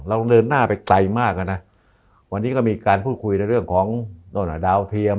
เราเดินหน้าไปไกลมากอ่ะนะวันนี้ก็มีการพูดคุยในเรื่องของโน่นดาวเทียม